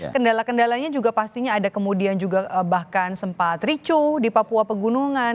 kendala kendalanya juga pastinya ada kemudian juga bahkan sempat ricuh di papua pegunungan